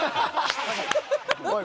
おい！